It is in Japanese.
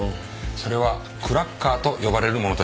それはクラッカーと呼ばれる者たちです。